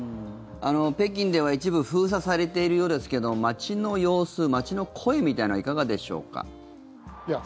北京では一部封鎖されているようですけど街の様子、街の声みたいなのはいかがでしょうか。